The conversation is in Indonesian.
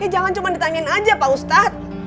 jangan cuma ditanyain aja pak ustadz